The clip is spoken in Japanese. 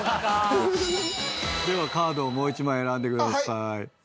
ではカードをもう１枚選んでください。